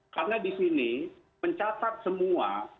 karena di sini mencatat semua